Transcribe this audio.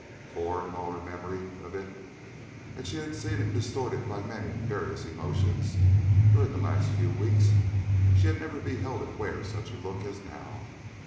For, in all her memory of it and she had seen it distorted by many and various emotions during the last few weeks she had never beheld it wear such a look as now.